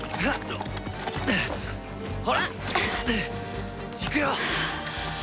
ほら行くよ！